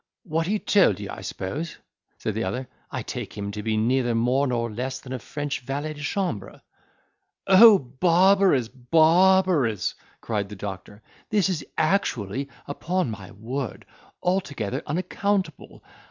"What, he told you so, I suppose?" said the other: "I take him to be neither more nor less than a French valet de chambre." "O barbarous, barbarous!" cried the doctor; "this is actually, upon my word, altogether unaccountable.